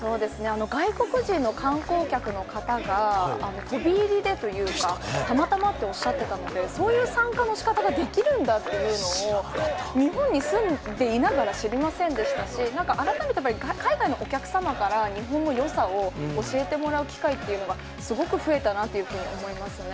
外国人の観光客の方が、飛び入りでというか、たまたまっておっしゃってたので、そういう参加のしかたができるんだっていうのを日本に住んでいながら、知りませんでしたし、なんか改めて海外のお客様から、日本のよさを教えてもらう機会っていうのが、すごく増えたなっていうふうに思いますね。